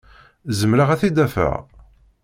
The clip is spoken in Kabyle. Zemreɣ ad t-id-afeɣ?